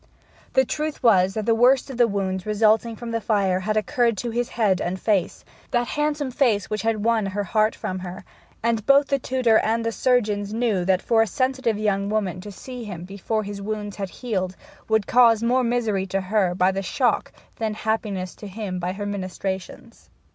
The truth was that the worst of the wounds resulting from the fire had occurred to his head and face that handsome face which had won her heart from her, and both the tutor and the surgeons knew that for a sensitive young woman to see him before his wounds had healed would cause more misery to her by the shock than happiness to him by her ministrations.